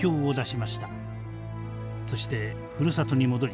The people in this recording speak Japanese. そしてふるさとに戻り